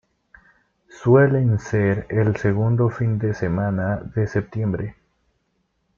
Suelen ser el segundo fin de semana de Septiembre.